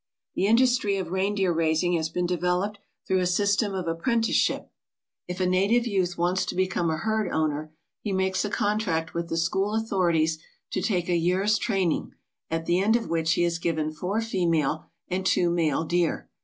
The industry of reindeer raising has been developed through a system of apprenticeship. If a native youth wants to become a herd owner, he makes a contract with the school authorities to take a year's training, at the end of which he is given four female and two male deer.